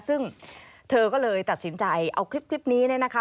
ซึ่งเธอก็เลยตัดสินใจเอาคลิปนี้เนี่ยนะคะ